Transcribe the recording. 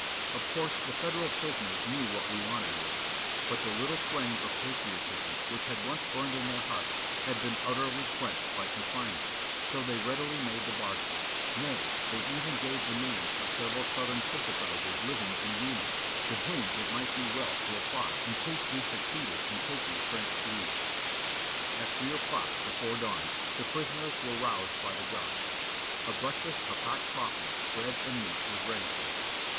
Of course the Federal prisoners knew what we wanted with them, but the little flame of patriotism which had once burned in their hearts had been utterly quenched by confinement, so they readily made the bargain ; nay, they even gave the nanies of several Southern sympathizers living in Wheeling, to whom it might be well to apply in case we succeeded in taking French leave. At three o'clock, before dawn, the prisoners were roused by the guards ; a breakfast of hot cofifee, bread and meat was ready for us.